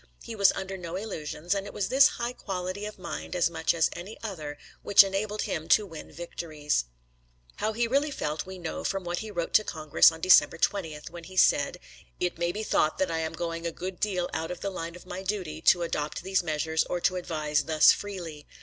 He was under no illusions, and it was this high quality of mind as much as any other which enabled him to win victories. How he really felt we know from what he wrote to Congress on December 20, when he said: "It may be thought that I am going a good deal out of the line of my duty to adopt these measures or to advise thus freely.